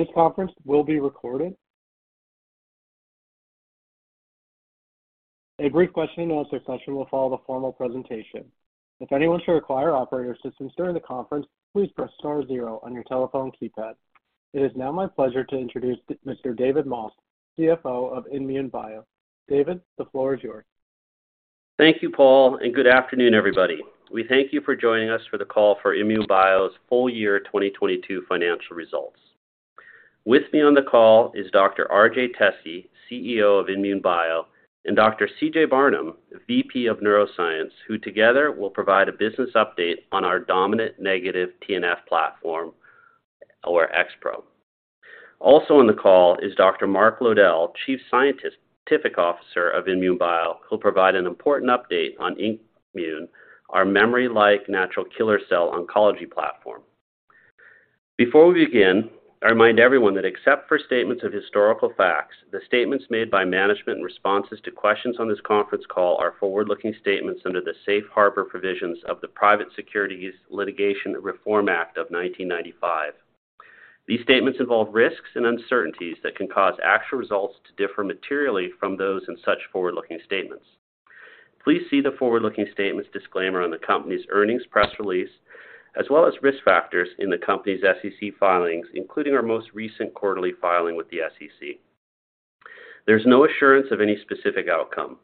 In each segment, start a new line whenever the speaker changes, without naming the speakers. This conference will be recorded. A brief question-and-answer session will follow the formal presentation. If anyone should require operator assistance during the conference, please press star-zero on your telephone keypad. It is now my pleasure to introduce Mr. David Moss, CFO of INmune Bio. David, the floor is yours.
Thank you, Paul. Good afternoon, everybody. We thank you for joining us for the call for INmune Bio's full year 2022 financial results. With me on the call is Dr. RJ Tesi, CEO of INmune Bio, and Dr. CJ Barnum, VP of Neuroscience, who together will provide a business update on our dominant-negative TNF platform, or XPro. Also on the call is Dr. Mark Lowdell, Chief Scientist, Scientific Officer of INmune Bio, who'll provide an important update on INKmune, our memory-like natural killer cell oncology platform. Before we begin, I remind everyone that except for statements of historical facts, the statements made by management in responses to questions on this conference call are forward-looking statements under the Safe Harbor provisions of the Private Securities Litigation Reform Act of 1995. These statements involve risks and uncertainties that can cause actual results to differ materially from those in such forward-looking statements. Please see the forward-looking statements disclaimer on the company's earnings press release, as well as risk factors in the company's SEC filings, including our most recent quarterly filing with the SEC. There's no assurance of any specific outcome.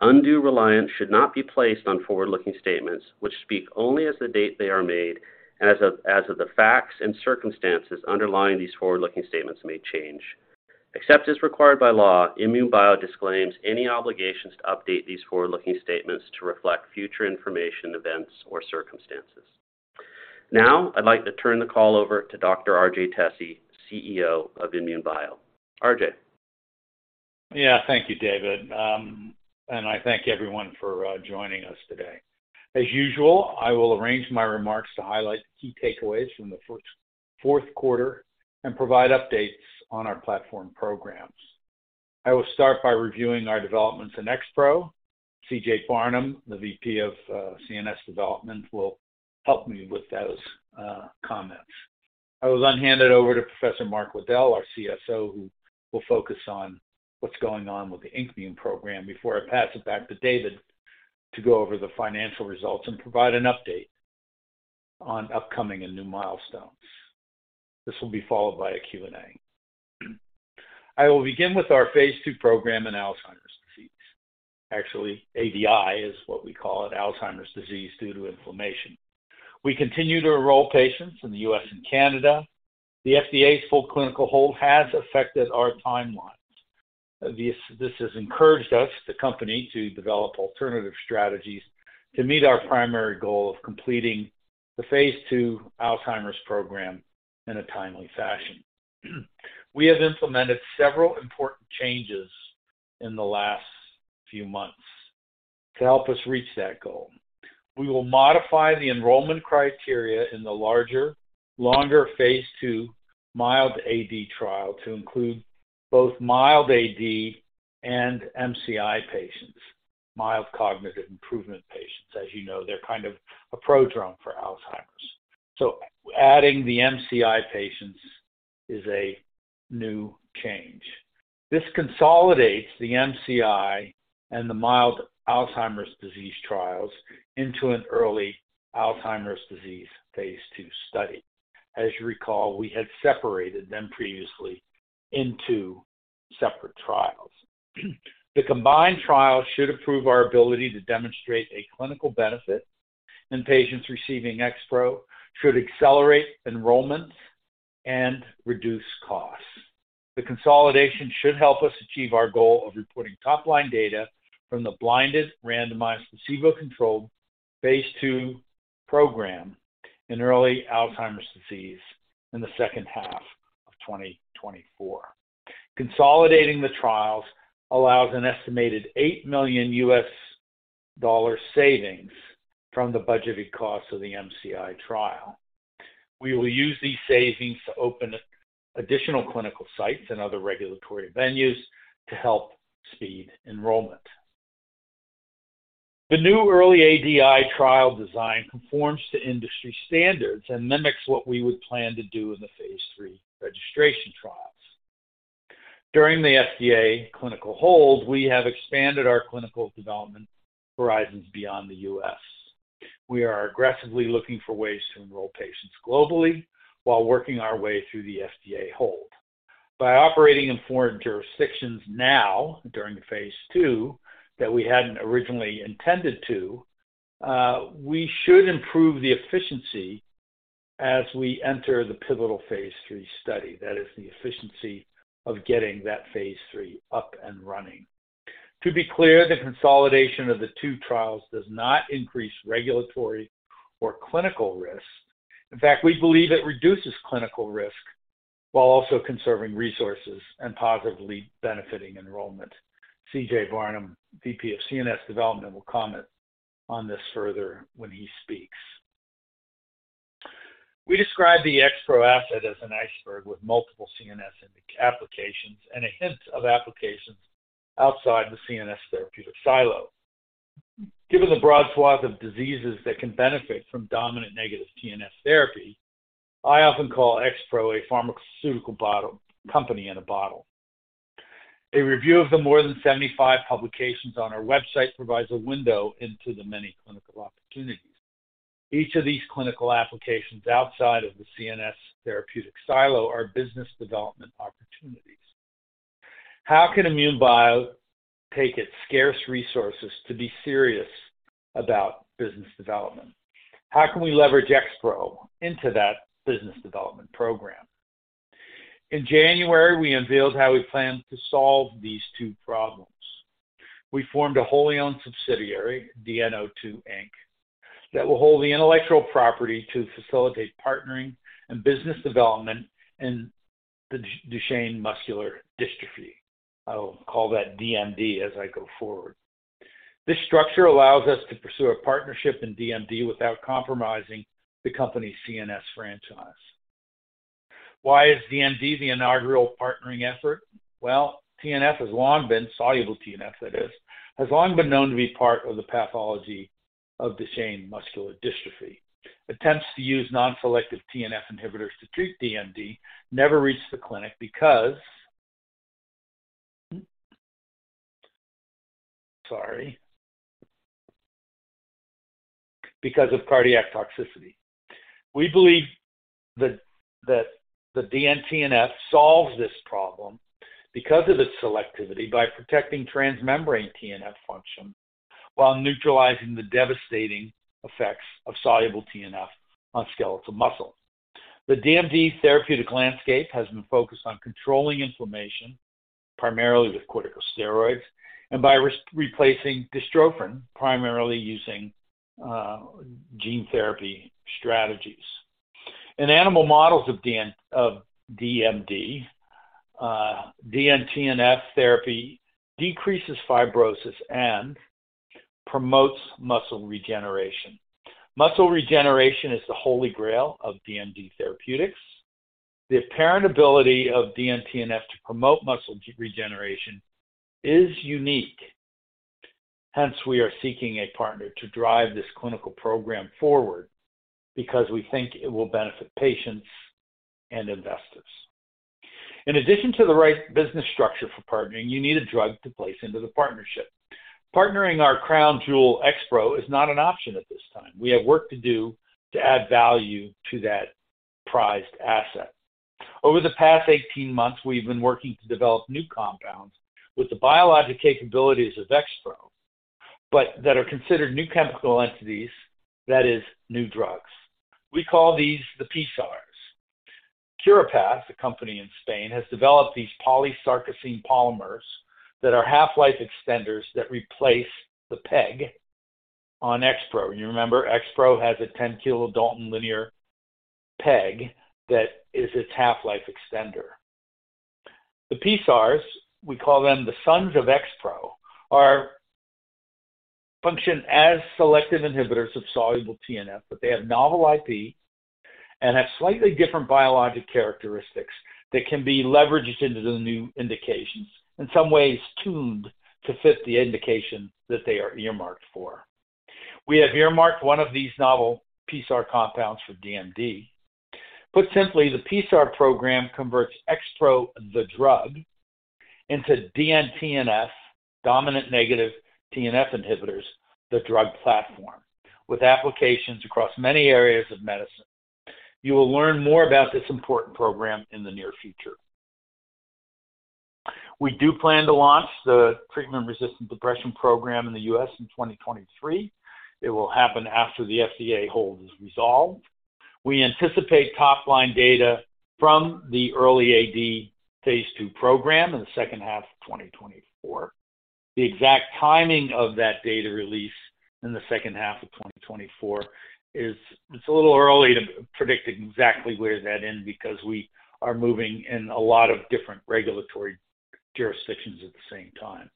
Undue reliance should not be placed on forward-looking statements which speak only as of the date they are made, as the facts and circumstances underlying these forward-looking statements may change. Except as required by law, INmune Bio disclaims any obligations to update these forward-looking statements to reflect future information, events, or circumstances. Now, I'd like to turn the call over to Dr. RJ Tesi, CEO of INmune Bio. RJ.
Yeah. Thank you, David. I thank everyone for joining us today. As usual, I will arrange my remarks to highlight key takeaways from the fourth quarter and provide updates on our platform programs. I will start by reviewing our developments in XPro. CJ Barnum, the VP of CNS Development, will help me with those comments. I will hand it over to Professor Mark Lowdell, our CSO, who will focus on what's going on with the INKmune program before I pass it back to David to go over the financial results and provide an update on upcoming and new milestones. This will be followed by a Q&A. I will begin with our phase II program in Alzheimer's disease. Actually, ADI is what we call it, Alzheimer's disease due to inflammation. We continue to enroll patients in the U.S. and Canada. The FDA's full clinical hold has affected our timelines. This has encouraged us, the company, to develop alternative strategies to meet our primary goal of completing the phase II Alzheimer's program in a timely fashion. We have implemented several important changes in the last few months to help us reach that goal. We will modify the enrollment criteria in the larger, longer phase II mild AD trial to include both mild AD and MCI patients, mild cognitive improvement patients. As you know, they're kind of a prodrome for Alzheimer's. Adding the MCI patients is a new change. This consolidates the MCI and the mild Alzheimer's disease trials into an early Alzheimer's disease phase II study. As you recall, we had separated them previously into separate trials. The combined trial should improve our ability to demonstrate a clinical benefit in patients receiving XPro, should accelerate enrollment, and reduce costs. The consolidation should help us achieve our goal of reporting top-line data from the blinded randomized placebo-controlled phase II program in early Alzheimer's disease in the second half of 2024. Consolidating the trials allows an estimated $8 million savings from the budgeted cost of the MCI trial. We will use these savings to open additional clinical sites in other regulatory venues to help speed enrollment. The new early ADI trial design conforms to industry standards and mimics what we would plan to do in the phase III registration trials. During the FDA clinical hold, we have expanded our clinical development horizons beyond the U.S. We are aggressively looking for ways to enroll patients globally while working our way through the FDA hold. By operating in foreign jurisdictions now during the phase II that we hadn't originally intended to, we should improve the efficiency as we enter the pivotal phase III study. That is the efficiency of getting that phase III up and running. To be clear, the consolidation of thetwo trials does not increase regulatory or clinical risk. We believe it reduces clinical risk while also conserving resources and positively benefiting enrollment. CJ Barnum, VP of CNS Development, will comment on this further when he speaks. We describe the XPro asset as an iceberg with multiple CNS applications and a hint of applications outside the CNS therapeutic silo. Given the broad swath of diseases that can benefit from dominant-negative TNF therapy, I often call XPro1595 a pharmaceutical bottle company in a bottle. A review of the more than 75 publications on our website provides a window into the many clinical opportunities. Each of these clinical applications outside of the CNS therapeutic silo are business development opportunities. How can INmune Bio take its scarce resources to be serious about business development? How can we leverage XPro1595 into that business development program? In January, we unveiled how we plan to solve these two problems. We formed a wholly owned subsidiary, DN02, Inc., that will hold the intellectual property to facilitate partnering and business development in the Duchenne muscular dystrophy. I will call that DMD as I go forward. This structure allows us to pursue a partnership in DMD without compromising the company's CNS franchise. Why is DMD the inaugural partnering effort? Well, TNF has long been soluble TNF, that is, has long been known to be part of the pathology of Duchenne muscular dystrophy. Attempts to use non-selective TNF inhibitors to treat DMD never reached the clinic because of cardiac toxicity. We believe that the DN-TNF solves this problem because of its selectivity by protecting transmembrane TNF function while neutralizing the devastating effects of soluble TNF on skeletal muscle. The DMD therapeutic landscape has been focused on controlling inflammation, primarily with corticosteroids, and by replacing dystrophin, primarily using gene therapy strategies. In animal models of DMD, DN-TNF therapy decreases fibrosis and promotes muscle regeneration. Muscle regeneration is the holy grail of DMD therapeutics. The apparent ability of DN-TNF to promote muscle regeneration is unique. We are seeking a partner to drive this clinical program forward because we think it will benefit patients and investors. In addition to the right business structure for partnering, you need a drug to place into the partnership. Partnering our crown jewel XPro1595 is not an option at this time. We have work to do to add value to that prized asset. Over the past 18 months, we've been working to develop new compounds with the biologic capabilities of XPro1595, but that are considered new chemical entities, that is, new drugs. We call these the pSars. Curapath, a company in Spain, has developed these polysarcosine polymers that are half-life extenders that replace the PEG on XPro1595. You remember, XPro1595 has a 10 kDa linear PEG that is its half-life extender. The pSars, we call them the sons of XPro1595, function as selective inhibitors of soluble TNF, but they have novel IP and have slightly different biologic characteristics that can be leveraged into the new indications, in some ways tuned to fit the indication that they are earmarked for. We have earmarked one of these novel pSars compounds for DMD. Put simply, the pSars program converts XPro1595 the drug into DN-TNF, dominant-negative TNF inhibitors, the drug platform, with applications across many areas of medicine. You will learn more about this important program in the near future. We do plan to launch the treatment-resistant depression program in the U.S. in 2023. It will happen after the FDA hold is resolved. We anticipate top-line data from the early AD phase II program in the second half of 2024. The exact timing of that data release in the second half of 2024, it's a little early to predict exactly where that ends because we are moving in a lot of different regulatory jurisdictions at the same time.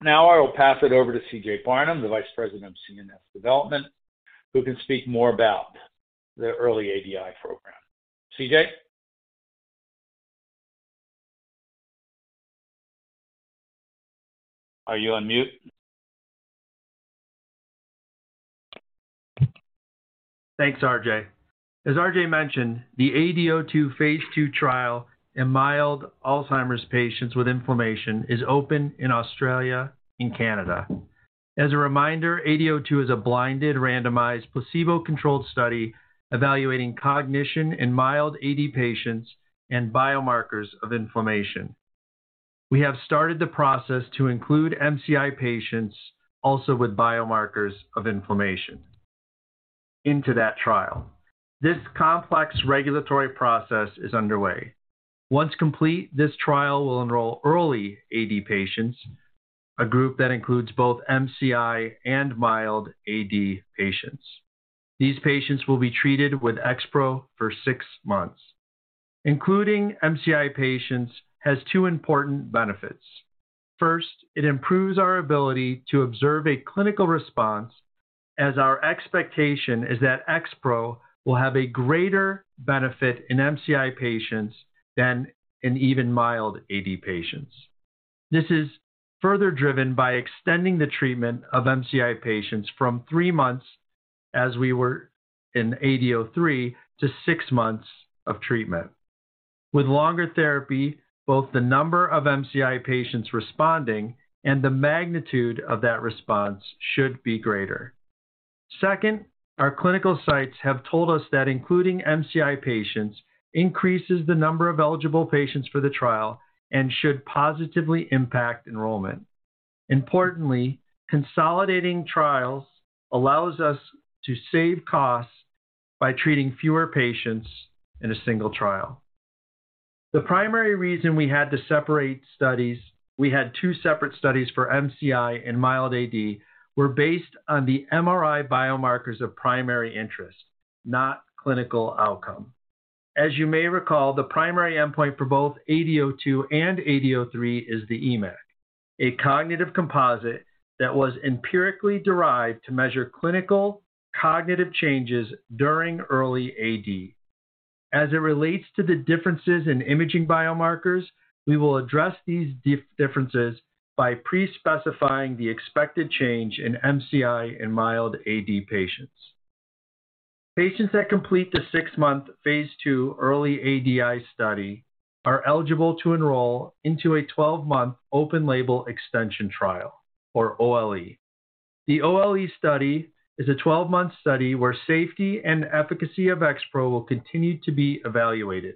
Now I will pass it over to CJ Barnum, the Vice President of CNS Development, who can speak more about the early ADI program. CJ? Are you on mute?
Thanks, RJ. As RJ mentioned, the AD02 phase II trial in mild Alzheimer's patients with inflammation is open in Australia and Canada. As a reminder, AD02 is a blinded, randomized, placebo-controlled study evaluating cognition in mild AD patients and biomarkers of inflammation. We have started the process to include MCI patients, also with biomarkers of inflammation, into that trial. This complex regulatory process is underway. Once complete, this trial will enroll early AD patients, a group that includes both MCI and mild AD patients. These patients will be treated with XPro1595 for six months. Including MCI patients has two important benefits. First, it improves our ability to observe a clinical response. As our expectation is that XPro will have a greater benefit in MCI patients than in even mild AD patients. This is further driven by extending the treatment of MCI patients from three months as we were in AD03 to six months of treatment. With longer therapy, both the number of MCI patients responding and the magnitude of that response should be greater. Second, our clinical sites have told us that including MCI patients increases the number of eligible patients for the trial and should positively impact enrollment. Importantly, consolidating trials allows us to save costs by treating fewer patients in a single trial. The primary reason we had to separate studies, we had two separate studies for MCI and mild AD, were based on the MRI biomarkers of primary interest, not clinical outcome. As you may recall, the primary endpoint for both AD02 and AD03 is the EMACC, a cognitive composite that was empirically derived to measure clinical cognitive changes during early AD. As it relates to the differences in imaging biomarkers, we will address these differences by pre-specifying the expected change in MCI and mild AD patients. Patients that complete the six-month phase II early AD02 study are eligible to enroll into a 12-month open-label extension trial, or OLE. The OLE study is a 12-month study where safety and efficacy of XPro will continue to be evaluated.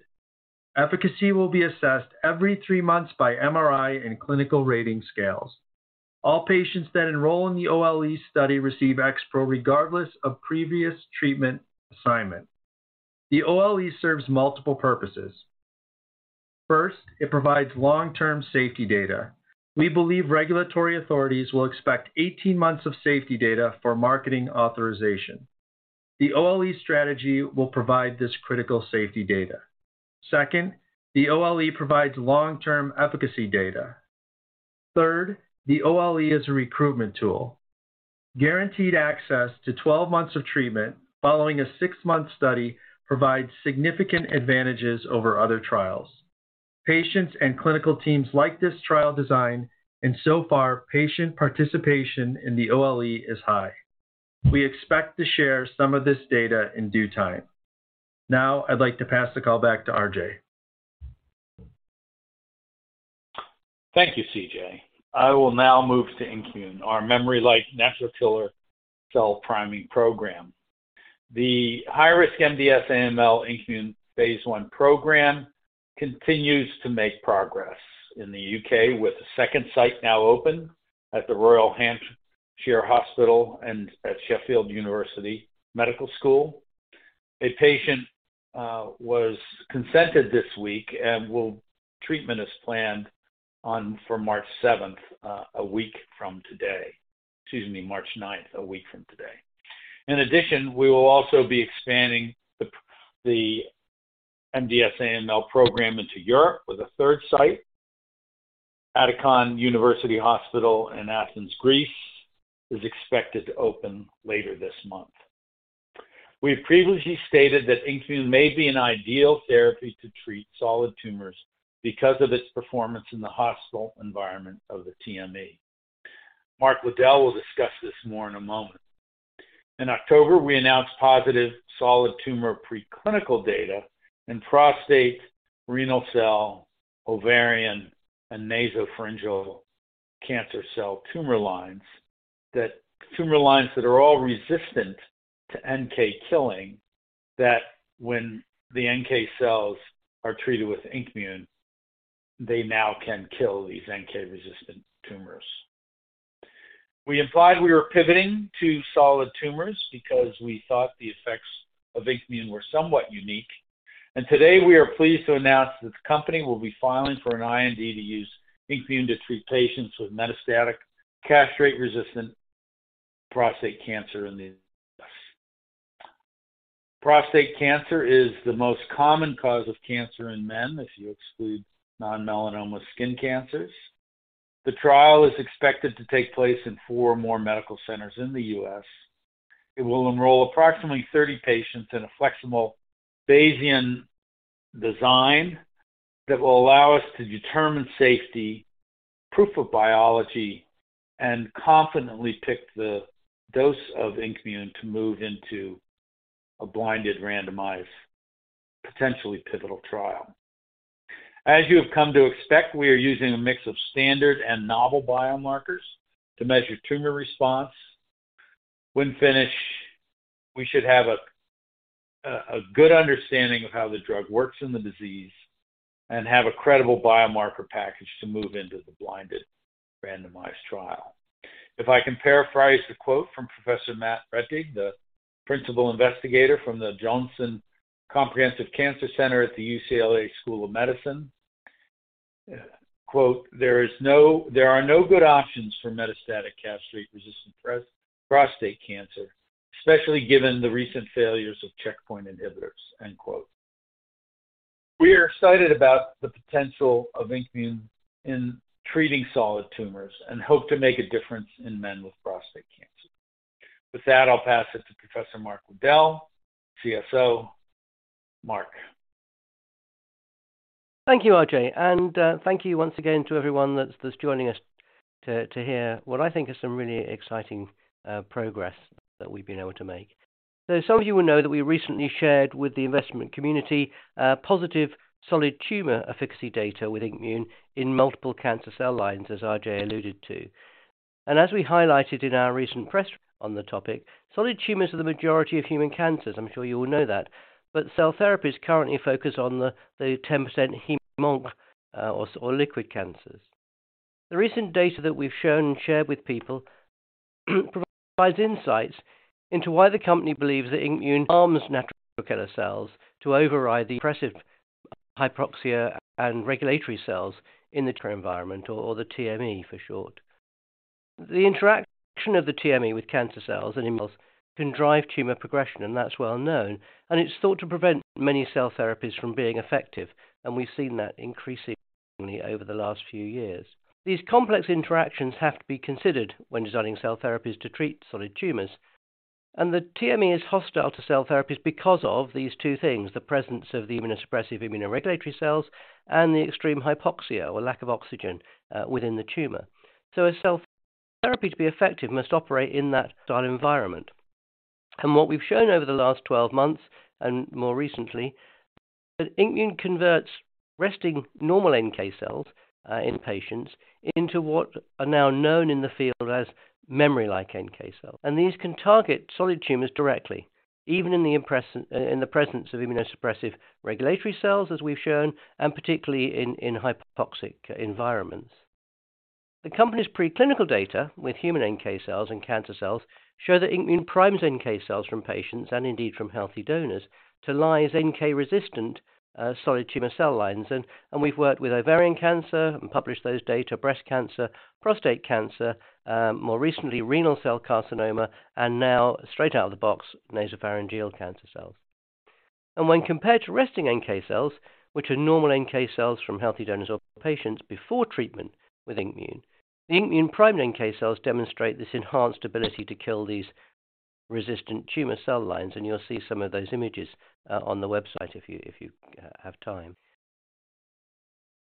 Efficacy will be assessed every three months by MRI and clinical rating scales. All patients that enroll in the OLE study receive XPro regardless of previous treatment assignment. The OLE serves multiple purposes. First, it provides long-term safety data. We believe regulatory authorities will expect 18 months of safety data for marketing authorization. The OLE strategy will provide this critical safety data. Second, the OLE provides long-term efficacy data. Third, the OLE is a recruitment tool. Guaranteed access to 12 months of treatment following a six-month study provides significant advantages over other trials. Patients and clinical teams like this trial design, and so far, patient participation in the OLE is high. We expect to share some of this data in due time. Now I'd like to pass the call back to RJ.
Thank you, CJ. I will now move to INKmune, our memory-like natural killer cell priming program. The high-risk MDS/AML INKmune phase I program continues to make progress in the U.K., with a second site now open at the Royal Hampshire County Hospital and at University of Sheffield Medical School. A patient was consented this week and treatment is planned on for March 7th, a week from today. March 9th, a week from today. In addition, we will also be expanding the MDS/AML program into Europe with a third site. Attikon University Hospital in Athens, Greece, is expected to open later this month. We've previously stated that INKmune may be an ideal therapy to treat solid tumors because of its performance in the hostile environment of the TME. Mark Lowdell will discuss this more in a moment. In October, we announced positive solid tumor preclinical data in prostate, renal cell, ovarian, and nasopharyngeal cancer cell tumor lines that are all resistant to NK killing, that when the NK cells are treated with INKmune, they now can kill these NK-resistant tumors. We implied we were pivoting to solid tumors because we thought the effects of INKmune were somewhat unique. Today, we are pleased to announce that the company will be filing for an IND to use INKmune to treat patients with metastatic castration-resistant prostate cancer in the U.S. Prostate cancer is the most common cause of cancer in men if you exclude non-melanoma skin cancers. The trial is expected to take place in four more medical centers in the U.S. It will enroll approximately 30 patients in a flexible Bayesian design that will allow us to determine safety, proof of biology, and confidently pick the dose of INKmune to move into a blinded, randomized, potentially pivotal trial. As you have come to expect, we are using a mix of standard and novel biomarkers to measure tumor response. When finished, we should have a good understanding of how the drug works in the disease and have a credible biomarker package to move into the blinded randomized trial. If I can paraphrase a quote from Professor Matt Rettig, the principal investigator from the Jonsson Comprehensive Cancer Center at the UCLA School of Medicine, "There are no good options for metastatic castration-resistant prostate cancer, especially given the recent failures of checkpoint inhibitors." We are excited about the potential of INKmune in treating solid tumors and hope to make a difference in men with prostate cancer. With that, I'll pass it to Professor Mark Lowdell, CSO. Mark.
Thank you, RJ, and thank you once again to everyone that's joining us to hear what I think is some really exciting progress that we've been able to make. Some of you will know that we recently shared with the investment community positive solid tumor efficacy data with INKmune in multiple cancer cell lines, as RJ alluded to. As we highlighted in our recent press on the topic, solid tumors are the majority of human cancers. I'm sure you all know that. Cell therapies currently focus on the 10% heme-onc or liquid cancers. The recent data that we've shown and shared with people provides insights into why the company believes that INKmune arms natural killer cells to override the impressive hypoxia and regulatory cells in the tumor environment, or the TME for short. The interaction of the TME with cancer cells and immune cells can drive tumor progression. That's well known. It's thought to prevent many cell therapies from being effective. We've seen that increasingly over the last few years. These complex interactions have to be considered when designing cell therapies to treat solid tumors. The TME is hostile to cell therapies because of these two things, the presence of the immunosuppressive immunoregulatory cells and the extreme hypoxia or lack of oxygen within the tumor. A cell therapy to be effective must operate in that style environment. What we've shown over the last 12 months and more recently, that INKmune converts resting normal NK cells in patients into what are now known in the field as memory-like NK cells. These can target solid tumors directly, even in the presence of immunosuppressive regulatory cells, as we've shown, and particularly in hypoxic environments. The company's preclinical data with human NK cells and cancer cells show that INKmune primes NK cells from patients and indeed from healthy donors to lyse NK-resistant solid tumor cell lines. We've worked with ovarian cancer and published those data, breast cancer, prostate cancer, more recently renal cell carcinoma, and now straight out of the box, nasopharyngeal cancer cells. When compared to resting NK cells, which are normal NK cells from healthy donors or patients before treatment with INKmune, the INKmune-primed NK cells demonstrate this enhanced ability to kill these resistant tumor cell lines, and you'll see some of those images on the website if you have time.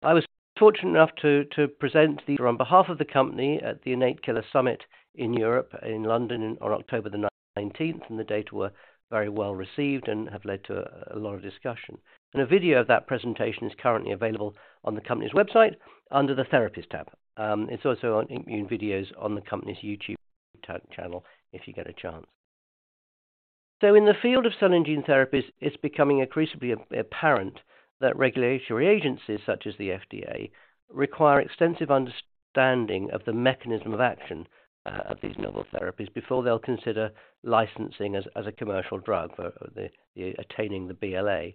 I was fortunate enough to present these on behalf of the company at the Innate Killer Summit Europe in London on October 19th, and the data were very well received and have led to a lot of discussion. A video of that presentation is currently available on the company's website under the Therapies tab. It's also on INKmune Videos on the company's YouTube channel if you get a chance. In the field of cell and gene therapies, it's becoming increasingly apparent that regulatory agencies such as the FDA require extensive understanding of the mechanism of action of these novel therapies before they'll consider licensing as a commercial drug for attaining the BLA.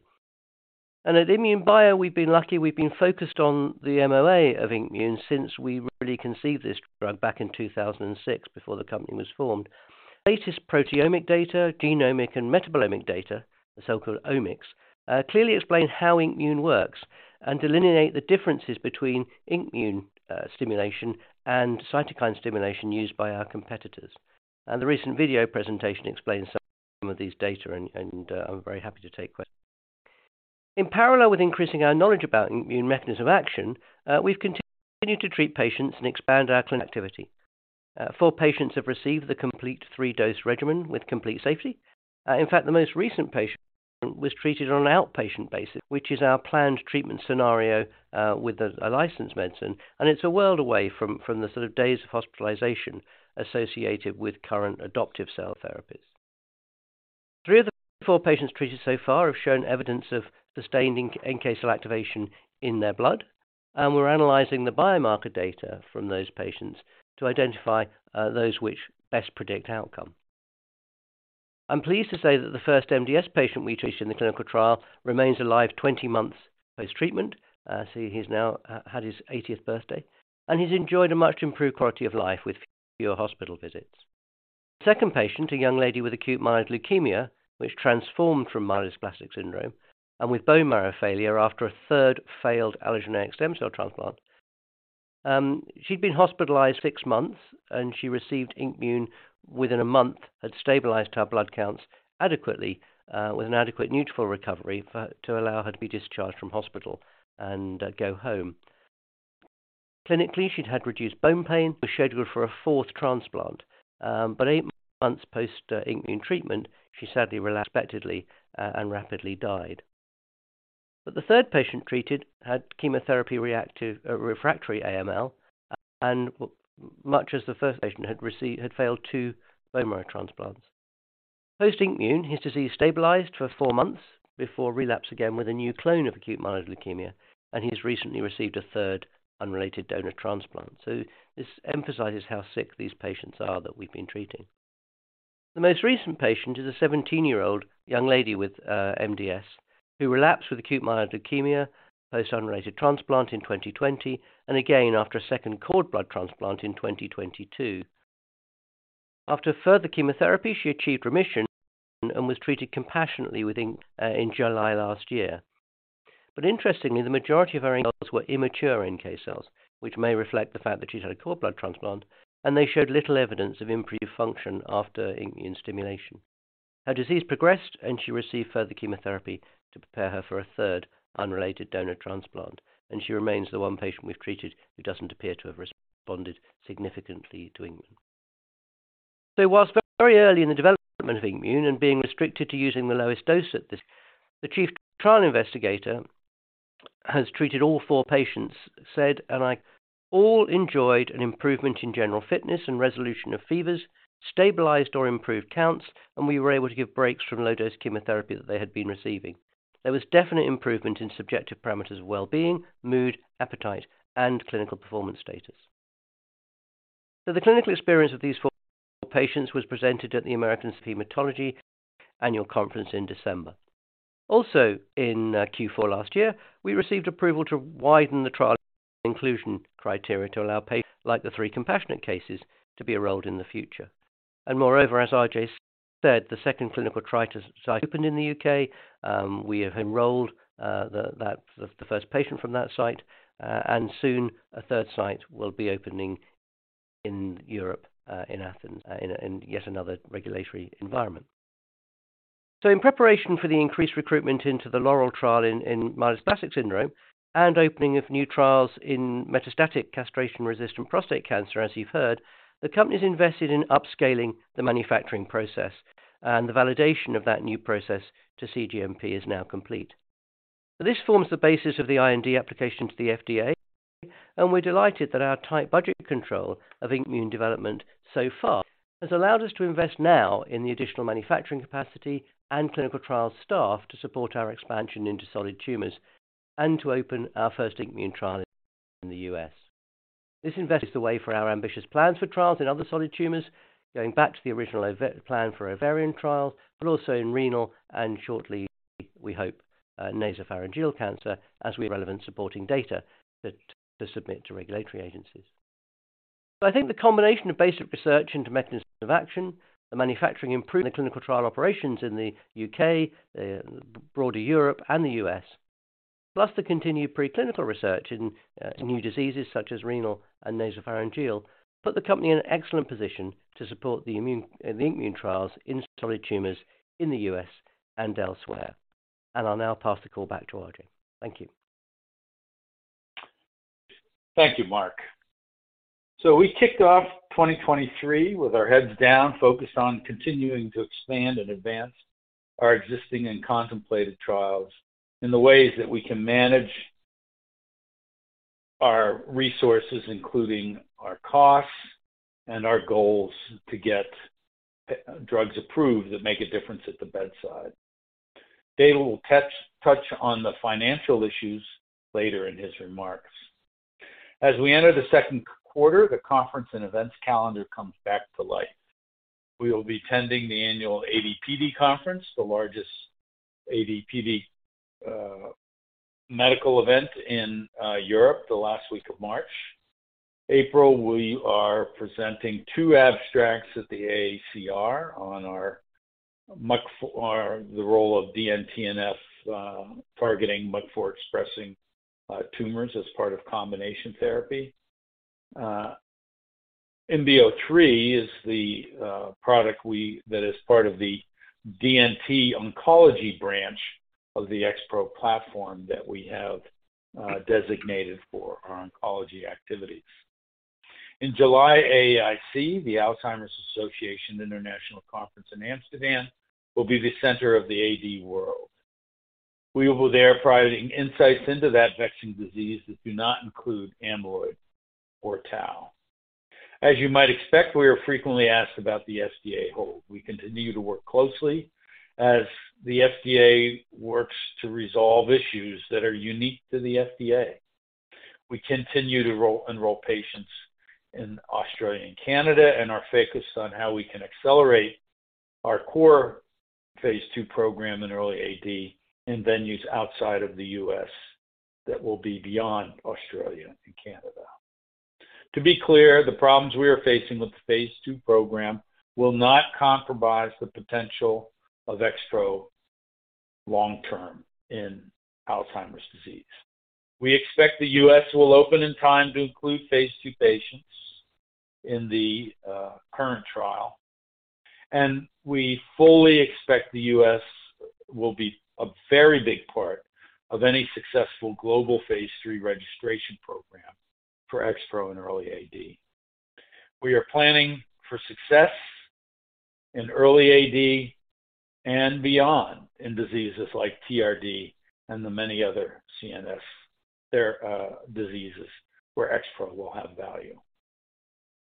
At INmune Bio, we've been lucky we've been focused on the MOA of INKmune since we really conceived this drug back in 2006 before the company was formed. Latest proteomic data, genomic and metabolomic data, the so-called omics, clearly explain how INKmune works and delineate the differences between INKmune stimulation and cytokine stimulation used by our competitors. The recent video presentation explains some of these data, and I'm very happy to take questions. In parallel with increasing our knowledge about INKmune mechanism of action, we've continued to treat patients and expand our clinic activity. Four patients have received the complete three-dose regimen with complete safety. In fact, the most recent patient was treated on an outpatient basis, which is our planned treatment scenario with a licensed medicine. It's a world away from the sort of days of hospitalization associated with current adoptive cell therapies. Three of the four patients treated so far have shown evidence of sustained NK cell activation in their blood. We're analyzing the biomarker data from those patients to identify those which best predict outcome. I'm pleased to say that the first MDS patient we treated in the clinical trial remains alive 20 months post-treatment. I see he's now had his 80th birthday. He's enjoyed a much improved quality of life with fewer hospital visits. Second patient, a young lady with acute myeloid leukemia, which transformed from myelodysplastic syndrome and with bone marrow failure after a third failed allogeneic stem cell transplant. She'd been hospitalized six months. She received INKmune within a month, had stabilized her blood counts adequately with an adequate neutral recovery to allow her to be discharged from hospital and go home. Clinically, she'd had reduced bone pain, was scheduled for a fourth transplant, eight months post INKmune treatment, she sadly relapsed expectedly and rapidly died. The third patient treated had chemotherapy reactive refractory AML, and much as the first patient had received, had failed two bone marrow transplants. Post INKmune, his disease stabilized for four months before relapse again with a new clone of acute myeloid leukemia, and he's recently received a third unrelated donor transplant. This emphasizes how sick these patients are that we've been treating. The most recent patient is a 17-year-old young lady with MDS who relapsed with acute myeloid leukemia, post unrelated transplant in 2020, and again after a second cord blood transplant in 2022. After further chemotherapy, she achieved remission and was treated compassionately with INKmune in July last year. Interestingly, the majority of her NK cells were immature NK cells, which may reflect the fact that she's had a cord blood transplant, and they showed little evidence of improved function after INKmune stimulation. Her disease progressed, and she received further chemotherapy to prepare her for a third unrelated donor transplant, and she remains the one patient we've treated who doesn't appear to have responded significantly to INKmune. Whilst very early in the development of INKmune and being restricted to using the lowest dose at this, the chief trial investigator has treated all four patients, said, "All enjoyed an improvement in general fitness and resolution of fevers, stabilized or improved counts, and we were able to give breaks from low-dose chemotherapy that they had been receiving. There was definite improvement in subjective parameters of well-being, mood, appetite, and clinical performance status." The clinical experience of these four patients was presented at the American Society of Hematology Annual Conference in December. Also in Q4 last year, we received approval to widen the trial inclusion criteria to allow patients like the three compassionate cases to be enrolled in the future. Moreover, as RJ said, the second clinical trial site has opened in the U.K. We have enrolled the first patient from that site, and soon a third site will be opening in Europe, in Athens, in yet another regulatory environment. In preparation for the increased recruitment into the Laurel trial in myelodysplastic syndrome and opening of new trials in metastatic castration-resistant prostate cancer, as you've heard, the company's invested in upscaling the manufacturing process, and the validation of that new process to cGMP is now complete. This forms the basis of the IND application to the FDA, and we're delighted that our tight budget control of INKmune development so far has allowed us to invest now in the additional manufacturing capacity and clinical trial staff to support our expansion into solid tumors and to open our first INKmune trial in the U.S. This invest is the way for our ambitious plans for trials in other solid tumors, going back to the original plan for ovarian trials, also in renal and shortly, we hope, nasopharyngeal cancer as we relevant supporting data to submit to regulatory agencies. I think the combination of basic research into mechanisms of action, the manufacturing improvement, clinical trial operations in the U.K., broader Europe and the U.S., plus the continued preclinical research in new diseases such as renal and nasopharyngeal, put the company in an excellent position to support the INKmune trials in solid tumors in the U.S. and elsewhere. I'll now pass the call back to RJ. Thank you.
Thank you, Mark. We kicked off 2023 with our heads down, focused on continuing to expand and advance our existing and contemplated trials in the ways that we can manage our resources, including our costs and our goals to get drugs approved that make a difference at the bedside. David will touch on the financial issues later in his remarks. As we enter the second quarter, the conference and events calendar comes back to life. We will be attending the annual ADPD conference, the largest ADPD medical event in Europe, the last week of March. April, we are presenting two abstracts at the ACR on the role of DN TNF targeting MUC4-expressing tumors as part of combination therapy. INB03 is the product that is part of the DNT oncology branch of the XPro platform that we have designated for our oncology activities. In July, AAIC, the Alzheimer's Association International Conference in Amsterdam, will be the center of the AD world. We will be there providing insights into that vexing disease that do not include amyloid or tau. As you might expect, we are frequently asked about the FDA hold. We continue to work closely as the FDA works to resolve issues that are unique to the FDA. We continue to enroll patients in Australia and Canada and are focused on how we can accelerate our core phase II program in early AD in venues outside of the U.S. that will be beyond Australia and Canada. To be clear, the problems we are facing with the phase II program will not compromise the potential of XPro long-term in Alzheimer's disease. We expect the U.S. Will open in time to include phase II patients in the current trial, and we fully expect the U.S. will be a very big part of any successful global phase III registration program for XPro in early AD. We are planning for success in early AD and beyond in diseases like TRD and the many other CNS diseases where XPro will have value.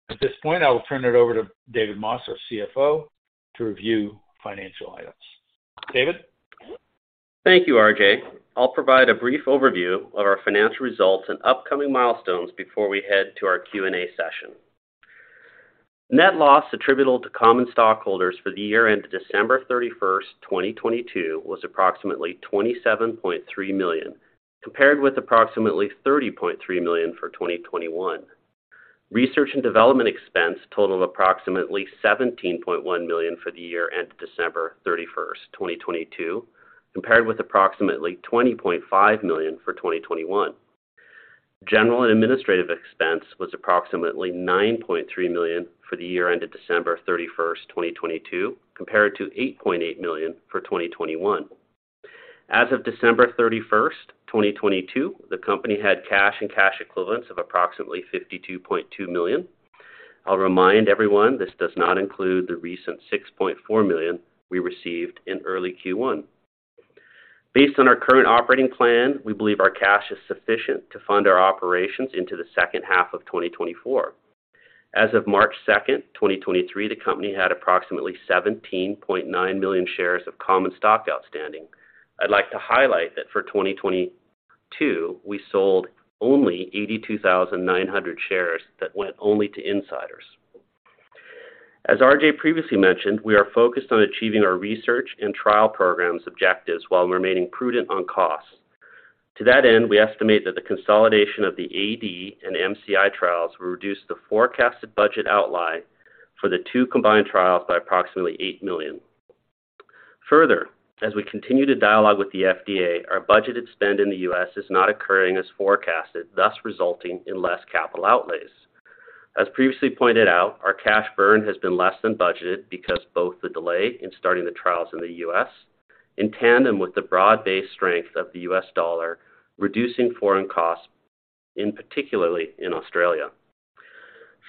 At this point, I will turn it over to David Moss, our CFO, to review financial items. David?
Thank you, RJ. I'll provide a brief overview of our financial results and upcoming milestones before we head to our Q&A session. Net loss attributable to common stockholders for the year ended December 31st, 2022 was approximately $27.3 million. Compared with approximately $30.3 million for 2021. Research and development expense totaled approximately $17.1 million for the year ended December 31st, 2022, compared with approximately $20.5 million for 2021. General and administrative expense was approximately $9.3 million for the year ended December 31st, 2022, compared to $8.8 million for 2021. As of December 31st, 2022, the company had cash and cash equivalents of approximately $52.2 million. I'll remind everyone this does not include the recent $6.4 million we received in early Q1. Based on our current operating plan, we believe our cash is sufficient to fund our operations into the second half of 2024. As of March 2nd, 2023, the company had approximately 17.9 million shares of common stock outstanding.
I'd like to highlight that for 2022, we sold only 82,900 shares that went only to insiders. As RJ previously mentioned, we are focused on achieving our research and trial program's objectives while remaining prudent on costs. To that end, we estimate that the consolidation of the AD and MCI trials will reduce the forecasted budget outlay for the two combined trials by approximately $8 million. Further, as we continue to dialogue with the FDA, our budgeted spend in the U.S. is not occurring as forecasted, thus resulting in less capital outlays. As previously pointed out, our cash burn has been less than budgeted because both the delay in starting the trials in the U.S., in tandem with the broad-based strength of the U.S. dollar, reducing foreign costs in particularly in Australia.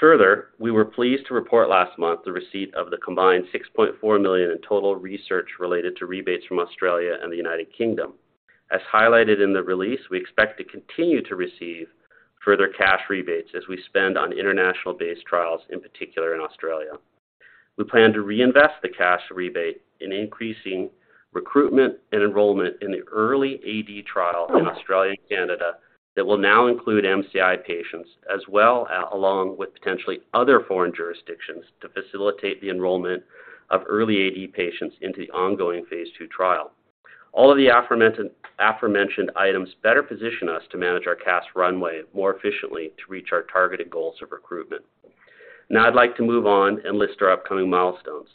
Further, we were pleased to report last month the receipt of the combined $6.4 million in total research related to rebates from Australia and the United Kingdom. As highlighted in the release, we expect to continue to receive further cash rebates as we spend on international-based trials, in particular in Australia. We plan to reinvest the cash rebate in increasing recruitment and enrollment in the early AD trial in Australia and Canada that will now include MCI patients as well, along with potentially other foreign jurisdictions to facilitate the enrollment of early AD patients into the ongoing phase II trial. All of the aforementioned items better position us to manage our cash runway more efficiently to reach our targeted goals of recruitment. Now I'd like to move on and list our upcoming milestones.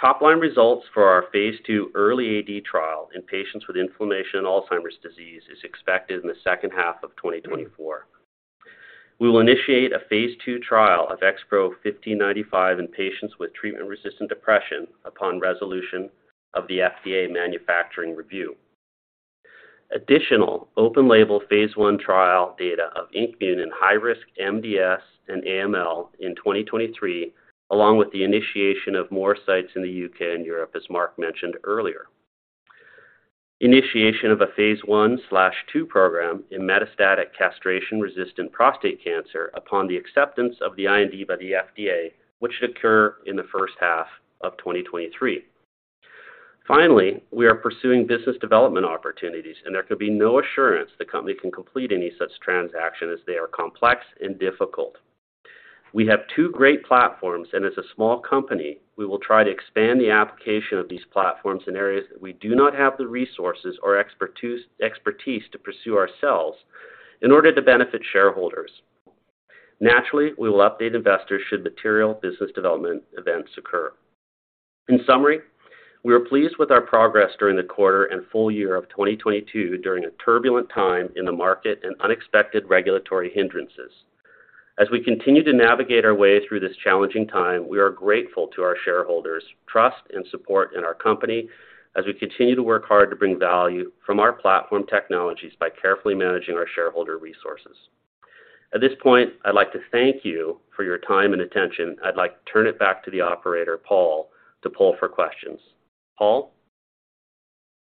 Top-line results for our phase II early AD trial in patients with inflammation and Alzheimer's disease is expected in the second half of 2024. We will initiate a phase II trial of XPro1595 in patients with treatment-resistant depression upon resolution of the FDA manufacturing review. Additional open label phase I trial data of INKmune in high-risk MDS and AML in 2023, along with the initiation of more sites in the U.K. and Europe, as Mark mentioned earlier. Initiation of a phase I/II program in metastatic castration-resistant prostate cancer upon the acceptance of the IND by the FDA, which should occur in the first half of 2023. Finally, we are pursuing business development opportunities, and there can be no assurance the company can complete any such transaction as they are complex and difficult. We have two great platforms, as a small company, we will try to expand the application of these platforms in areas that we do not have the resources or expertise to pursue ourselves in order to benefit shareholders. Naturally, we will update investors should material business development events occur. In summary, we are pleased with our progress during the quarter and full year of 2022 during a turbulent time in the market and unexpected regulatory hindrances. As we continue to navigate our way through this challenging time, we are grateful to our shareholders' trust and support in our company as we continue to work hard to bring value from our platform technologies by carefully managing our shareholder resources. At this point, I'd like to thank you for your time and attention. I'd like to turn it back to the operator, Paul, to poll for questions. Paul?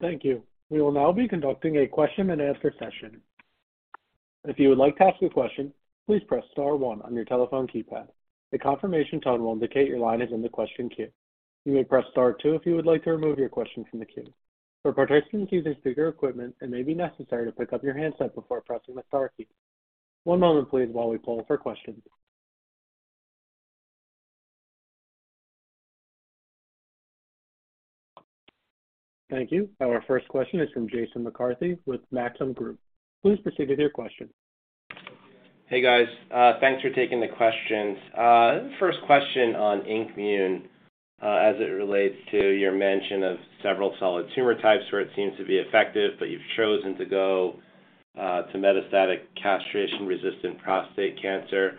Thank you. We will now be conducting a question-and- answer session. If you would like to ask a question, please press star one on your telephone keypad. A confirmation tone will indicate your line is in the question queue. You may press star two if you would like to remove your question from the queue. For participants using speaker equipment, it may be necessary to pick up your handset before pressing the star key. One moment please while we poll for questions. Thank you. Our first question is from Jason McCarthy with Maxim Group. Please proceed with your question.
Hey, guys. Thanks for taking the questions. First question on INKmune, as it relates to your mention of several solid tumor types where it seems to be effective, but you've chosen to go to metastatic castration-resistant prostate cancer.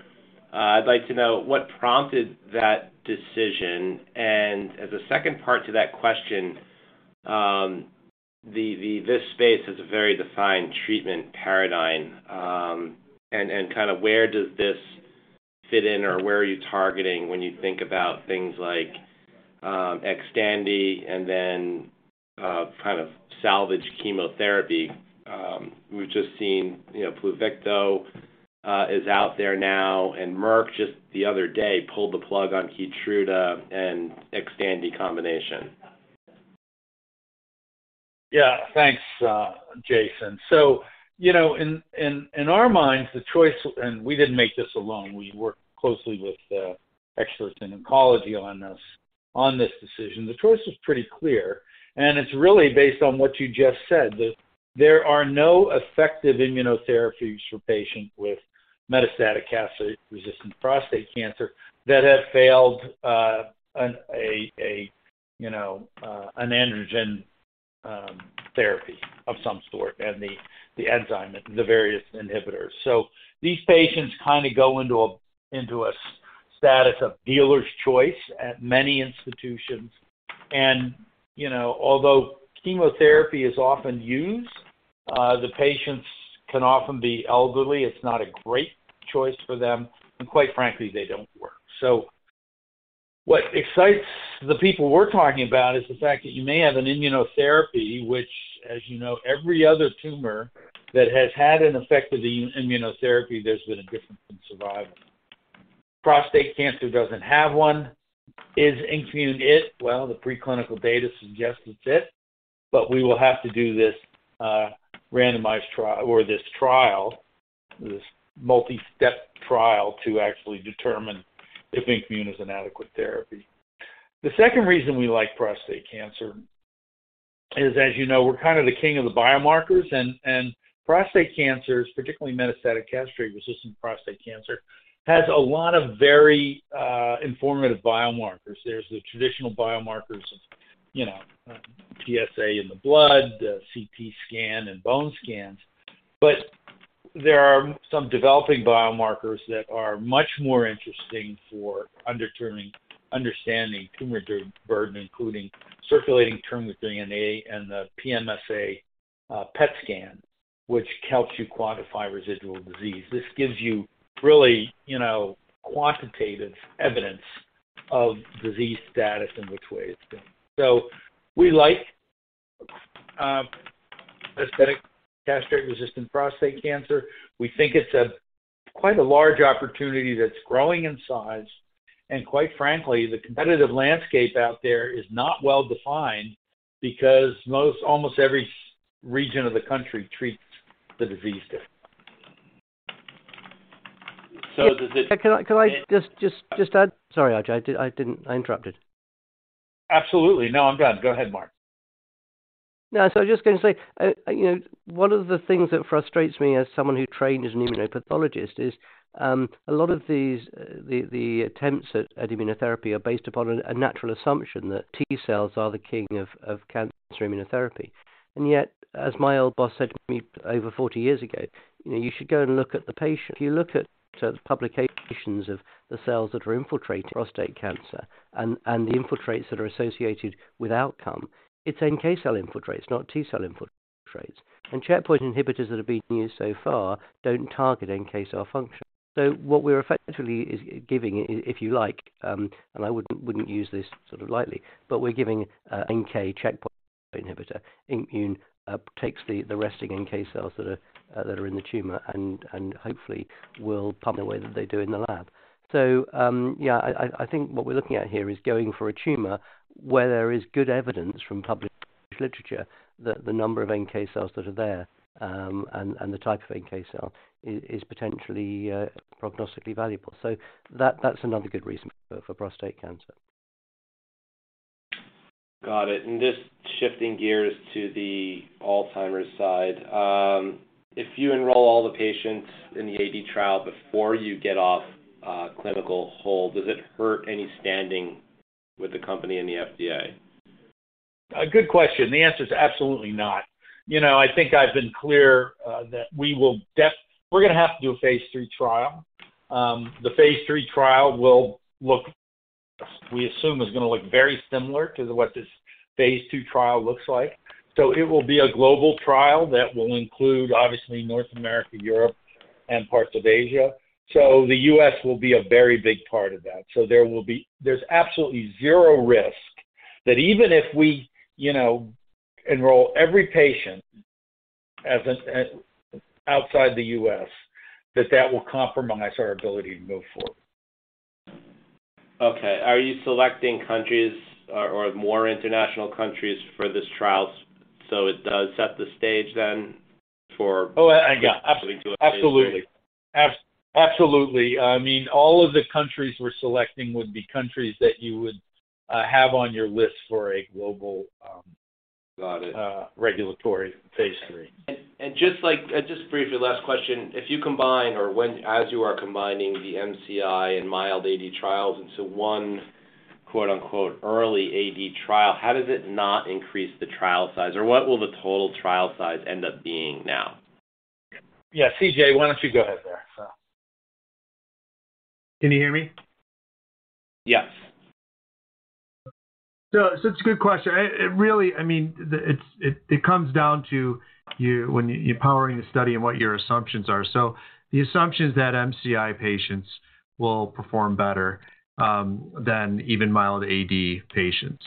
I'd like to know what prompted that decision. As a second part to that question, this space has a very defined treatment paradigm, and kind of where does this fit in or where are you targeting when you think about things like Xtandi and then kind of salvage chemotherapy? We've just seen, you know, Pluvicto is out there now, and Merck just the other day pulled the plug on Keytruda and Xtandi combination.
Yeah. Thanks, Jason. You know, in our minds, the choice, we didn't make this alone. We worked closely with experts in oncology on this decision, the choice is pretty clear, and it's really based on what you just said, that there are no effective immunotherapies for patients with metastatic castration-resistant prostate cancer that have failed, you know, an androgen therapy of some sort and the enzyme, the various inhibitors. These patients kind of go into a status of dealer's choice at many institutions. You know, although chemotherapy is often used, the patients can often be elderly. It's not a great choice for them, and quite frankly, they don't work. What excites the people we're talking about is the fact that you may have an immunotherapy, which, as you know, every other tumor that has had an effect of the immunotherapy, there's been a difference in survival. Prostate cancer doesn't have one. Is INKmune it? Well, the preclinical data suggests it's it, but we will have to do this randomized trial or this trial, this multi-step trial to actually determine if INKmune is an adequate therapy. The second reason we like prostate cancer is, as you know, we're kind of the king of the biomarkers, and prostate cancers, particularly metastatic castration-resistant prostate cancer, has a lot of very informative biomarkers. There's the traditional biomarkers of, you know, PSA in the blood, the CT scan and bone scans. There are some developing biomarkers that are much more interesting for understanding tumor burden, including circulating tumor DNA and the PSMA PET scan, which helps you quantify residual disease. This gives you really, you know, quantitative evidence of disease status and which way it's been. We like metastatic castration-resistant prostate cancer. We think it's a quite a large opportunity that's growing in size. Quite frankly, the competitive landscape out there is not well-defined because almost every region of the country treats the disease differently.
Can I just add? Sorry, RJ. I interrupted.
Absolutely. No, I'm done. Go ahead, Mark.
No, I was just going to say, you know, one of the things that frustrates me as someone who trained as an immunopathologist is, a lot of these, the attempts at immunotherapy are based upon a natural assumption that T cells are the king of cancer immunotherapy. Yet, as my old boss said to me over 40 years ago, you know, you should go and look at the patient. If you look at, sort of, publications of the cells that are infiltrating prostate cancer and the infiltrates that are associated with outcome, it's NK cell infiltrates, not T cell infiltrates. Checkpoint inhibitors that have been used so far don't target NK cell function. What we're effectively is giving, if you like, and I wouldn't use this sort of lightly, but we're giving a NK checkpoint inhibitor. INKmune takes the resting NK cells that are in the tumor and hopefully will pump the way that they do in the lab. Yeah, I think what we're looking at here is going for a tumor where there is good evidence from published literature that the number of NK cells that are there, and the type of NK cell is potentially prognostically valuable. That's another good reason for prostate cancer.
Got it. Just shifting gears to the Alzheimer's side. If you enroll all the patients in the AD trial before you get off, clinical hold, does it hurt any standing with the company and the FDA?
A good question. The answer is absolutely not. You know, I think I've been clear that we're going to have to do a phase III trial. The phase III trial we assume is going to look very similar to what this phase II trial looks like. It will be a global trial that will include, obviously, North America, Europe, and parts of Asia. The U.S. will be a very big part of that. There's absolutely zero risk that even if we, you know, enroll every patient as an outside the U.S., that that will compromise our ability to move forward.
Okay. Are you selecting countries or more international countries for this trial so it does set the stage [then for trial]?
Absolutely. Absolutely. I mean, all of the countries we're selecting would be countries that you would have on your list for a global regulatory phase III.
Just briefly, last question. If you combine or when as you are combining the MCI and mild AD trials into one, "early AD trial," how does it not increase the trial size? What will the total trial size end up being now?
Yeah, CJ, why don't you go ahead there.
Can you hear me?
Yes.
It's a good question. It really comes down to you when you're powering the study and what your assumptions are. The assumption is that MCI patients will perform better than even mild AD patients.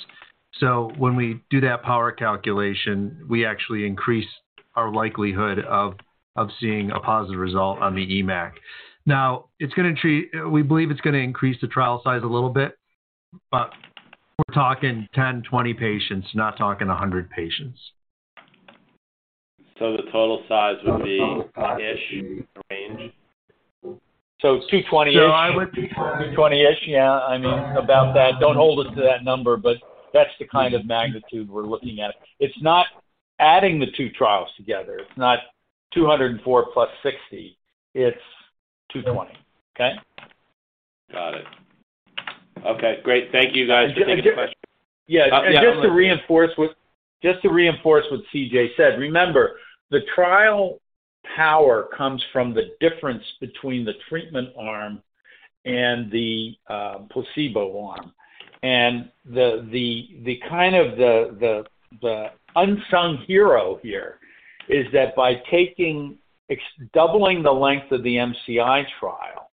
When we do that power calculation, we actually increase our likelihood of seeing a positive result on the EMACC. It's going to increase the trial size a little bit, but we're talking 10, 20 patients, not talking 100 patients.
The total size would be [220-ish] range?
I would be 220-ish. Yeah. I mean, about that. Don't hold us to that number, but that's the kind of magnitude we're looking at. It's not adding the two trials together. It's not 204+60, it's 220. Okay?
Got it. Okay, great. Thank you, guys.
Yeah. Just to reinforce what CJ said, remember, the trial power comes from the difference between the treatment arm and the placebo arm. The kind of the unsung hero here is that by doubling the length of the MCI trial,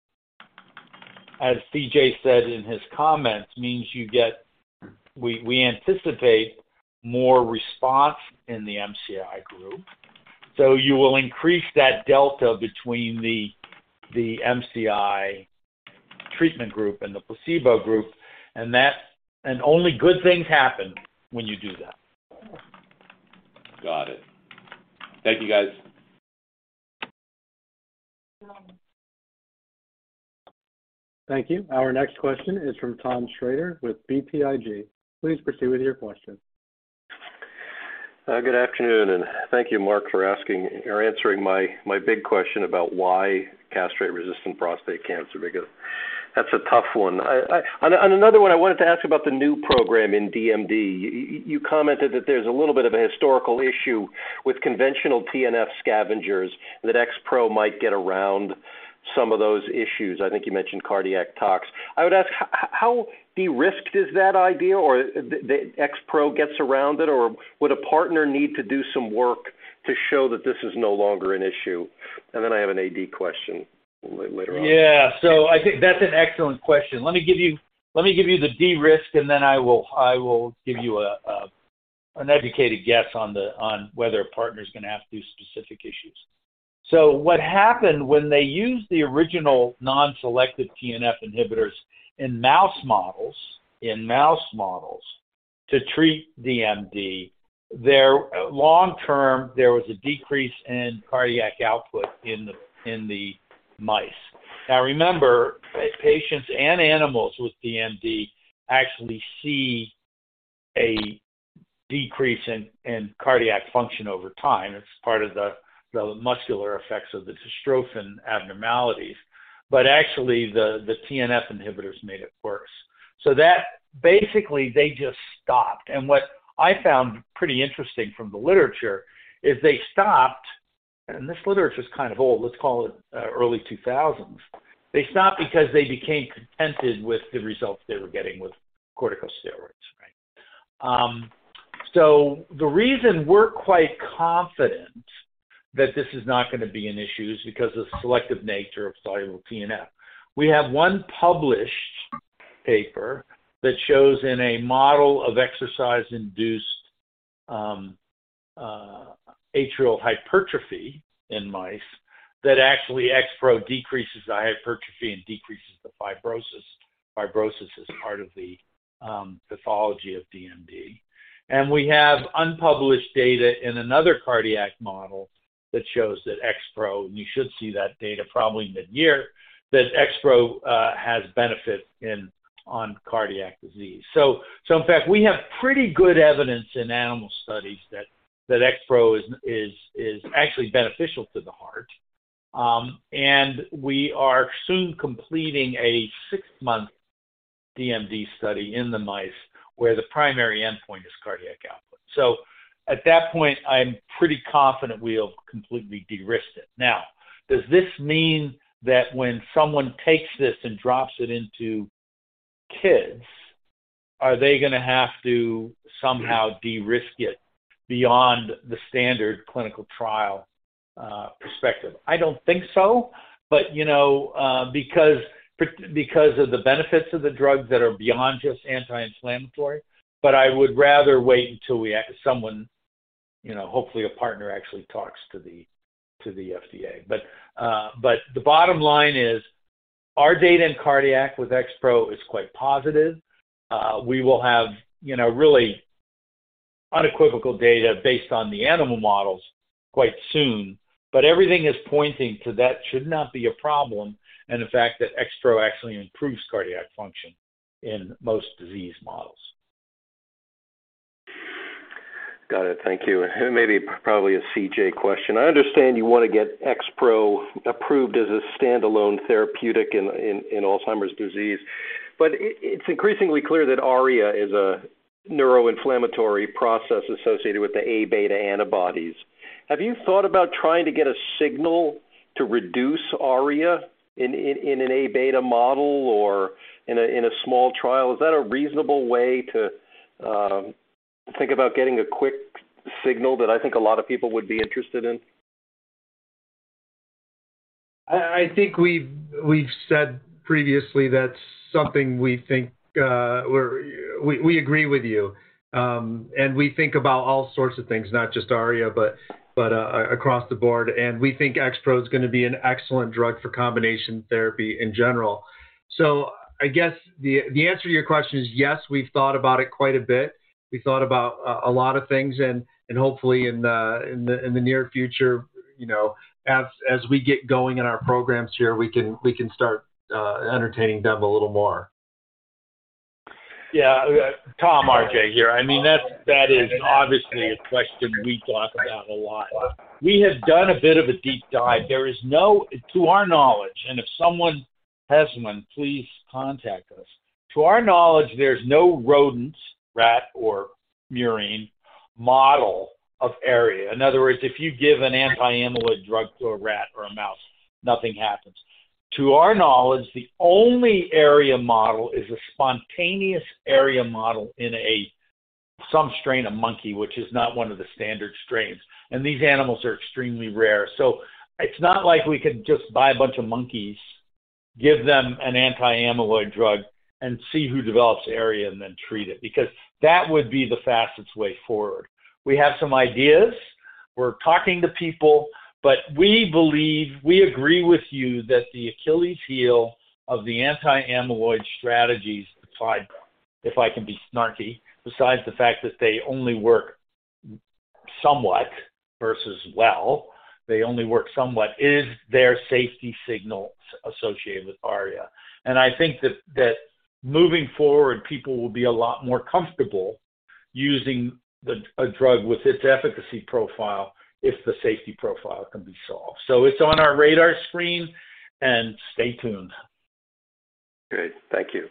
as CJ said in his comments, means you get. We anticipate more response in the MCI group. You will increase that delta between the MCI treatment group and the placebo group, only good things happen when you do that.
Got it. Thank you, guys.
Thank you. Our next question is from Tom Shrader with BTIG. Please proceed with your question.
Good afternoon, thank you, Mark, for answering my big question about why castrate-resistant prostate cancer, because that's a tough one. On another one, I wanted to ask about the new program in DMD. You commented that there's a little bit of a historical issue with conventional TNF scavengers that XPro might get around some of those issues. I think you mentioned cardiac tox. I would ask, how de-risked is that idea or XPro gets around it, or would a partner need to do some work to show that this is no longer an issue? Then I have an AD question later on.
Yeah. I think that's an excellent question. Let me give you the de-risk, then I will give you an educated guess on whether a partner is going to have to do specific issues. What happened when they used the original non-selective TNF inhibitors in mouse models to treat DMD, their long-term, there was a decrease in cardiac output in the mice. Now, remember, patients and animals with DMD actually see a decrease in cardiac function over time. It's part of the muscular effects of the dystrophin abnormalities. Actually the TNF inhibitors made it worse. That basically, they just stopped. What I found pretty interesting from the literature is they stopped, and this literature is kind of old, let's call it early 2000s. They stopped because they became contented with the results they were getting with corticosteroids, right? The reason we're quite confident that this is not going to be an issue is because of the selective nature of soluble TNF. We have one published paper that shows in a model of exercise-induced, atrial hypertrophy in mice that actually XPro decreases the hypertrophy and decreases the fibrosis. Fibrosis is part of the pathology of DMD. We have unpublished data in another cardiac model that shows that XPro, and you should see that data probably mid-year, that XPro, has benefit on cardiac disease. In fact, we have pretty good evidence in animal studies that XPro is actually beneficial to the heart. We are soon completing a six-month DMD study in the mice, where the primary endpoint is cardiac output. At that point, I'm pretty confident we'll completely de-risk it. Does this mean that when someone takes this and drops it into kids, are they going to have to somehow de-risk it beyond the standard clinical trial perspective? I don't think so. You know, because of the benefits of the drugs that are beyond just anti-inflammatory. I would rather wait until someone, you know, hopefully a partner actually talks to the FDA. The bottom line is our data in cardiac with XPro is quite positive. We will have, you know, really unequivocal data based on the animal models quite soon. Everything is pointing to that should not be a problem, and the fact that XPro actually improves cardiac function in most disease models.
Got it. Thank you. Maybe probably a CJ question. I understand you want to get XPro approved as a standalone therapeutic in, in Alzheimer's disease. It's increasingly clear that ARIA is a neuroinflammatory process associated with the amyloid-beta antibodies. Have you thought about trying to get a signal to reduce ARIA in an amyloid-beta model or in a, in a small trial? Is that a reasonable way to think about getting a quick signal that I think a lot of people would be interested in?
I think we've said previously that's something we think we agree with you. We think about all sorts of things, not just ARIA, but across the board. We think XPro is going to be an excellent drug for combination therapy in general. I guess the answer to your question is yes, we've thought about it quite a bit. We thought about a lot of things, and hopefully in the near future, you know, as we get going in our programs here, we can start entertaining them a little more.
Tom, RJ here. I mean, that's, that is obviously a question we talk about a lot. We have done a bit of a deep dive. There is no to our knowledge, and if someone has one, please contact us. To our knowledge, there's no rodent, rat or murine model of ARIA. In other words, if you give an anti-amyloid drug to a rat or a mouse, nothing happens. To our knowledge, the only ARIA model is a spontaneous ARIA model in a some strain of monkey, which is not one of the standard strains, and these animals are extremely rare. It's not like we could just buy a bunch of monkeys, give them an anti-amyloid drug, and see who develops ARIA and then treat it, because that would be the fastest way forward. We have some ideas. We're talking to people, we believe, we agree with you that the Achilles' heel of the anti-amyloid strategies, if I, if I can be snarky, besides the fact that they only work somewhat versus well, they only work somewhat, is their safety signals associated with ARIA. I think that moving forward, people will be a lot more comfortable using a drug with its efficacy profile if the safety profile can be solved. It's on our radar screen and stay tuned.
Great. Thank you.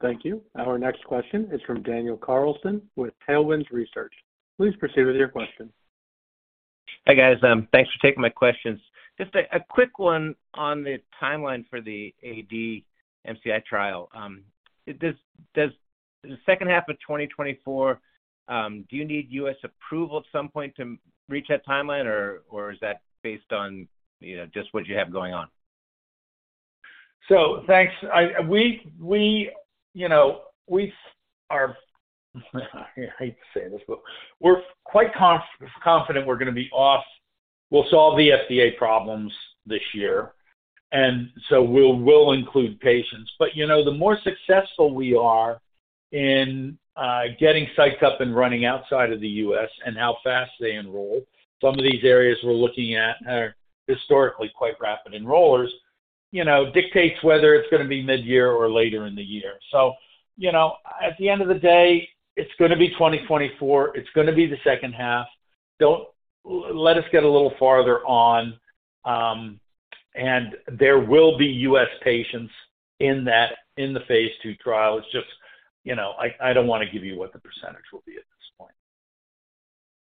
Thank you. Our next question is from Daniel Carlson with Tailwinds Research. Please proceed with your question.
Hi, guys. Thanks for taking my questions. Just a quick one on the timeline for the AD-MCI trial. Does the second half of 2024, do you need U.S. approval at some point to reach that timeline or is that based on, you know, just what you have going on?
Thanks. I hate to say this, but we're quite confident we'll solve the FDA problems this year, and so we'll include patients. You know, the more successful we are in getting sites up and running outside of the U.S. and how fast they enroll, some of these areas we're looking at are historically quite rapid enrollers, you know, dictates whether it's going to be midyear or later in the year. You know, at the end of the day, it's going to be 2024. It's going to be the second half. Let us get a little farther on, and there will be U.S. patients in that, in the phase II trial. It's just, you know, I don't want to give you what the percentage will be at this point.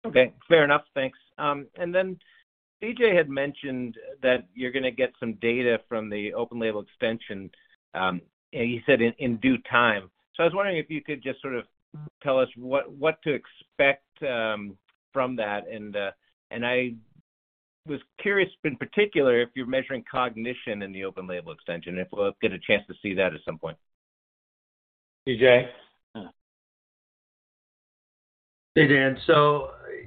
Okay. Fair enough. Thanks. CJ had mentioned that you're going to get some data from the open label extension, and he said in due time. I was wondering if you could just sort of tell us what to expect from that. I was curious in particular if you're measuring cognition in the open label extension, if we'll get a chance to see that at some point.
CJ?
Yeah. Hey, Dan.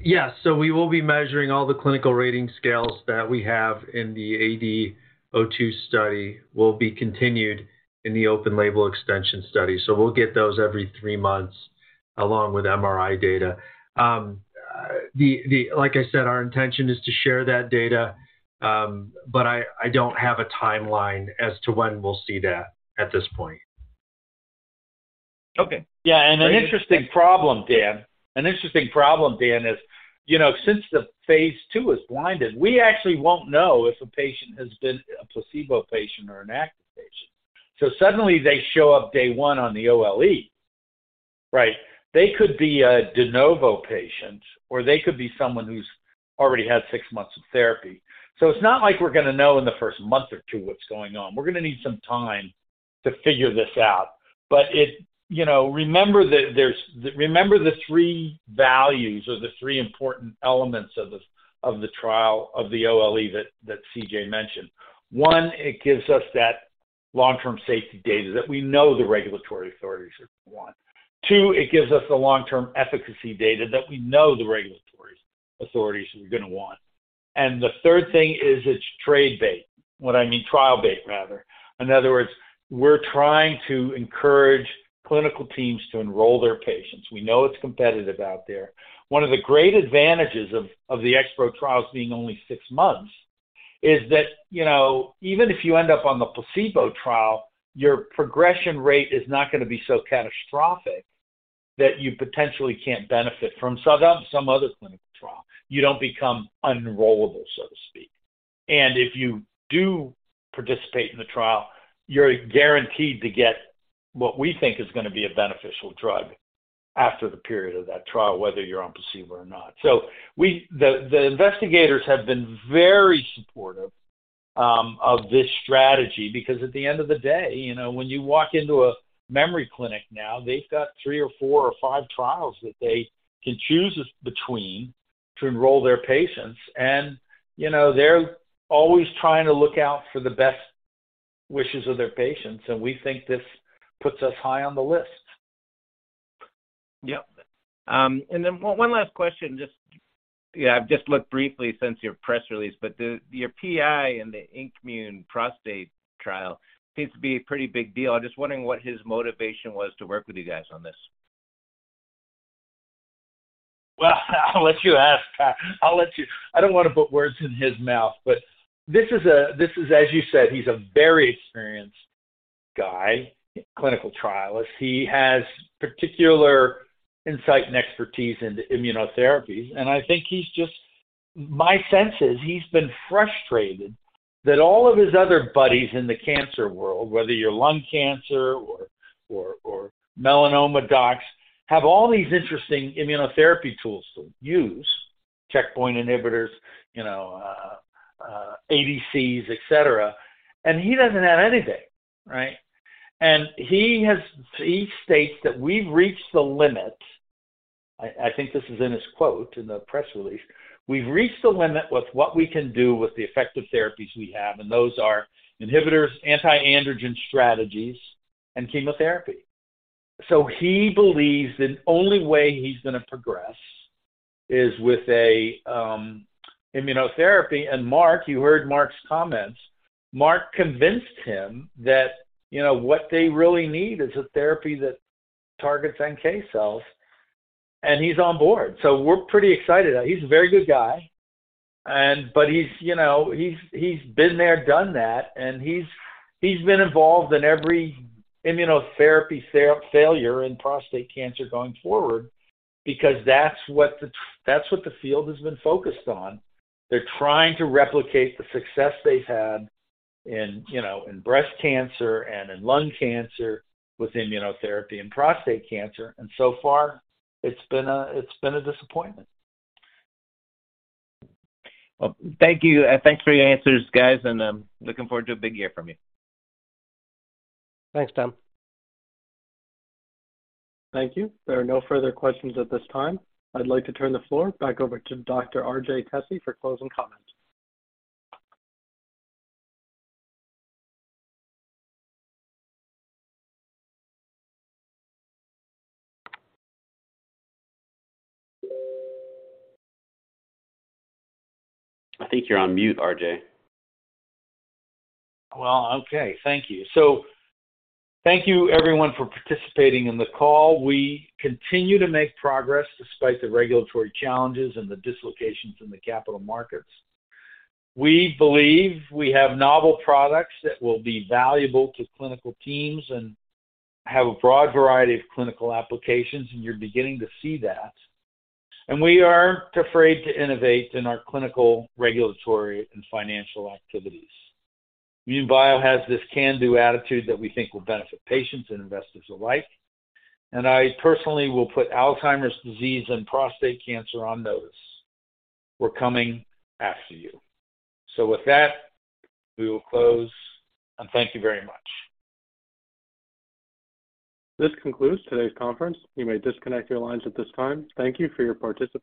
Yes. We will be measuring all the clinical rating scales that we have in the AD02 study will be continued in the open label extension study. We'll get those every three months along with MRI data. Like I said, our intention is to share that data, but I don't have a timeline as to when we'll see that at this point.
Yeah. An interesting problem, Dan. An interesting problem, Dan, is, you know, since the phase II is blinded, we actually won't know if a patient has been a placebo patient or an active patient. Suddenly they show up day one on the OLE, right? They could be a de novo patient, or they could be someone who's already had six months of therapy. It's not like we're going to know in the first month or two what's going on. We're going to need some time to figure this out. You know, remember the three values or the three important elements of the trial, of the OLE that CJ mentioned. 1One, it gives us that long-term safety data that we know the regulatory authorities are going to want. Two, it gives us the long-term efficacy data that we know the regulatory authorities are going to want. The third thing is it's trade bait. What I mean, trial bait rather. In other words, we're trying to encourage clinical teams to enroll their patients. We know it's competitive out there. One of the great advantages of the XPro trials being only six months is that, you know, even if you end up on the placebo trial, your progression rate is not going to be so catastrophic that you potentially can't benefit from some other clinical trial. You don't become unenrollable, so to speak. If you do participate in the trial, you're guaranteed to get what we think is going to be a beneficial drug after the period of that trial, whether you're on placebo or not. The investigators have been very supportive of this strategy because at the end of the day, you know, when you walk into a memory clinic now, they've got three or four or five trials that they can choose between to enroll their patients. You know, they're always trying to look out for the best wishes of their patients, and we think this puts us high on the list.
Yep. One last question. Yeah, I've just looked briefly since your press release, but your PI in the INKmune prostate trial seems to be a pretty big deal. I'm just wondering what his motivation was to work with you guys on this?
I'll let you ask. I don't want to put words in his mouth, but this is, as you said, he's a very experienced guy, clinical trialist. He has particular insight and expertise into immunotherapies, and My sense is he's been frustrated that all of his other buddies in the cancer world, whether you're lung cancer or melanoma docs, have all these interesting immunotherapy tools to use, checkpoint inhibitors, you know, ADCs, et cetera, and he doesn't have anything, right? He states that we've reached the limit. I think this is in his quote in the press release. We've reached the limit with what we can do with the effective therapies we have, and those are inhibitors, anti-androgen strategies, and chemotherapy. He believes the only way he's going to progress is with a immunotherapy. Mark, you heard Mark's comments, Mark convinced him that, you know, what they really need is a therapy that targets NK cells, and he's on board. We're pretty excited. He's a very good guy, and but you know, he's been there, done that, and he's been involved in every immunotherapy failure in prostate cancer going forward because that's what the field has been focused on. They're trying to replicate the success they've had you know, in breast cancer and in lung cancer with immunotherapy and prostate cancer. So far, it's been a disappointment.
Well, thank you. Thanks for your answers, guys. I'm looking forward to a big year from you.
Thanks, Tom.
Thank you. There are no further questions at this time. I'd like to turn the floor back over to Dr. RJ Tesi for closing comments.
I think you're on mute, RJ.
Well, okay. Thank you. Thank you everyone for participating in the call. We continue to make progress despite the regulatory challenges and the dislocations in the capital markets. We believe we have novel products that will be valuable to clinical teams and have a broad variety of clinical applications, you're beginning to see that. We aren't afraid to innovate in our clinical, regulatory, and financial activities. INmune Bio has this can-do attitude that we think will benefit patients and investors alike, I personally will put Alzheimer's disease and prostate cancer on notice. We're coming after you. With that, we will close, and thank you very much.
This concludes today's conference. You may disconnect your lines at this time. Thank you for your participation.